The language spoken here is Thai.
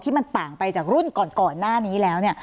ที่มันต่างไปจากรุ่นก่อนหน้านี้แล้ว